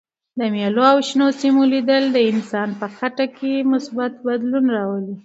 د باغونو او شنو سیمو لیدل د انسان په خټه کې مثبت بدلون راولي.